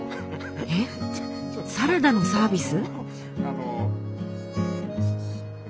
えっサラダのサービス？